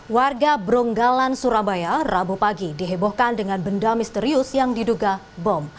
warga bronggalan surabaya rabu pagi dihebohkan dengan benda misterius yang diduga bom